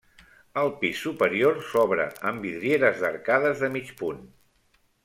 El pis superior s'obre amb vidrieres d'arcades de mig punt.